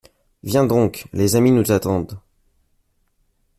Viens donc, les amis nous attendent.